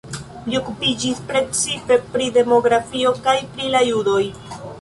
Li okupiĝis precipe pri demografio kaj pri la judoj.